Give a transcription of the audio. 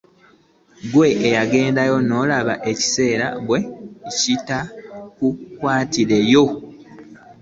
Gwe gendayo olabe ekisa bwe kitaakukwatireyo.